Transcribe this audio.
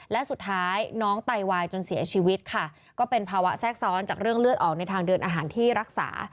และสุดท้ายน้องไตวายจนเสียชีวิตค่ะก็เป็นภาวะแทรกซ้อนจากเรื่องเลือดออกในทางเดินอาหารที่รักษา